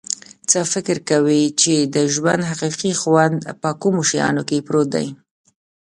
څه فکر کویچې د ژوند حقیقي خوند په کومو شیانو کې پروت ده